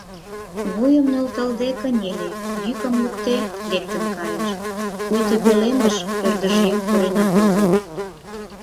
Вуйым нӧлталде кынеле, йӱкым лукде лектын кайыш, пуйто пӧлемыш ӧрдыжъеҥ пуренат огыл.